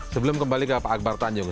sebelum kembali ke pak akbar tanjung